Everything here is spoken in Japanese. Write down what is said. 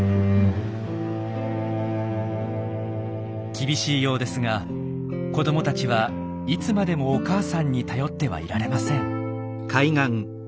厳しいようですが子どもたちはいつまでもお母さんに頼ってはいられません。